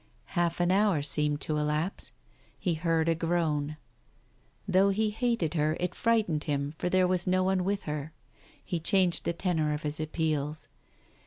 Half an hour seemed to elapse. He heard a groan. Though he hated her, it frightened him, for there was no one with her. He changed the tenor of his appeals.